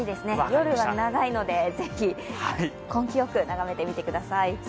夜は長いので、ぜひ根気よく眺めてみてください。